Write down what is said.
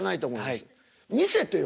見せてよ